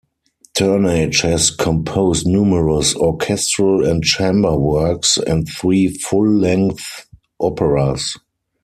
Turnage has composed numerous orchestral and chamber works, and three full-length operas.